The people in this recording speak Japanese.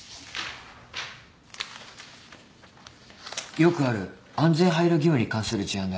よくある安全配慮義務に関する事案だね。